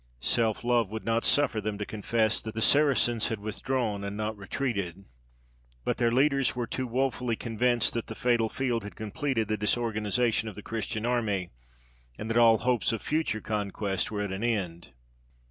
Self love would not suffer them to confess that the Saracens had withdrawn, and not retreated; but their leaders were too wofully convinced that that fatal field had completed the disorganisation of the Christian army, and that all hopes of future conquest were at an end.